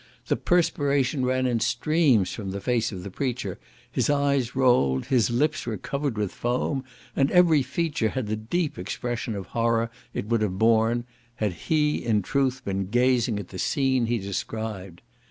The perspiration ran in streams from the face of the preacher; his eyes rolled, his lips were covered with foam, and every feature had the deep expression of horror it would have borne, had he, in truth, been gazing at the scene he described.